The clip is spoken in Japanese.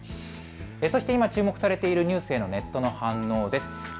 そして今、注目されているニュースへのネットの反応です。